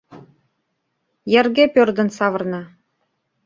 Йырге пӧрдын савырна.